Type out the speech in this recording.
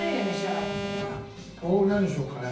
豆腐何にしようかね。